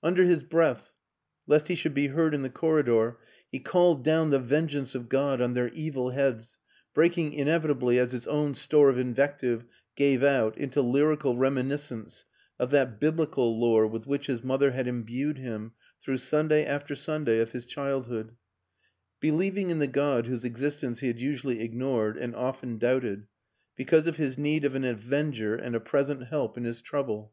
Un der his breath, lest he should be heard in the corridor, he called down the vengeance of God on their evil heads, breaking inevitably, as his own store of invective gave out into lyrical reminis cence of that Biblical lore with which his mother had imbued him through Sunday after Sunday of his childhood; believing in the God whose ex istence he had usually ignored (and often doubted) because of his need of an avenger and a present help in his trouble.